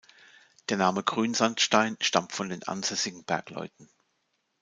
Der Name Grünsandstein stammt von den ansässigen Bergleuten.